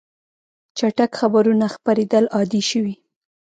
چټک خبرونه خپرېدل عادي شوي.